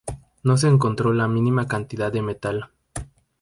No se encontró la más mínima cantidad de metal.